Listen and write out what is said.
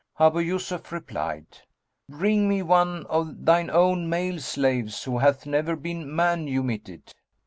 Abu Yusuf replied, "Bring me one of thine own male slaves who hath never been manumitted."